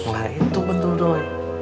enggak itu betul doi